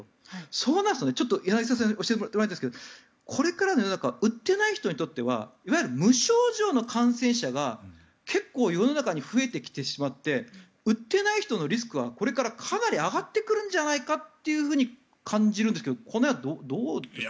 そうなると、ちょっと柳澤さんがおっしゃられましたがこれからの世の中打っていない人にとってはいわゆる無症状の感染者が結構、世の中に増えてきてしまって打っていない人のリスクがこれからかなり上がってくるんじゃないかっていうふうに感じるんですけどこの辺はどうですか。